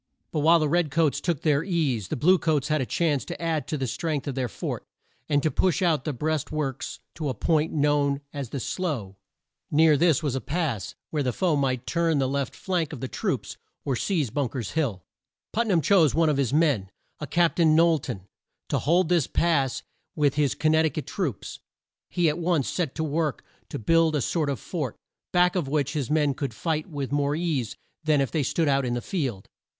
But while the red coats took their ease, the blue coats had a chance to add to the strength of their fort, and to push out the breast works to a point known as the Slough. Near this was a pass where the foe might turn the left flank of the troops or seize Bunk er's Hill. Put nam chose one of his men, a Cap tain Knowl ton, to hold this pass with his Con nect i cut troops. He at once set to work to build a sort of fort, back of which his men could fight with more ease than if they stood out in the field.